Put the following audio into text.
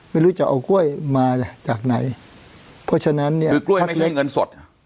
ไม่รู้จะเอากล้วยมาจากไหนเพราะฉะนั้นเนี้ยคือกล้วยไม่ใช่เงินสด